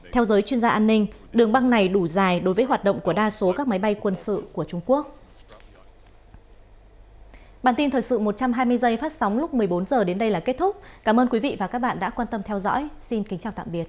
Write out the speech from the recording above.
theo giới chuyên gia an ninh đường băng này đủ dài đối với hoạt động của đa số các máy bay quân sự của trung quốc